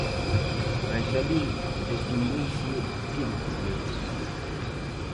Mais alí, desde o inicio, tivo problemas.